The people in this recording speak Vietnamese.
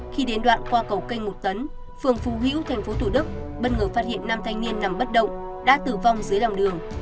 khi đến đoạn qua cầu kênh một tấn phường phú hữu tp thủ đức bất ngờ phát hiện năm thanh niên nằm bất động đã tử vong dưới lòng đường